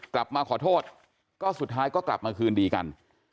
กลับมาขอโทษก็สุดท้ายก็กลับมาคืนดีกัน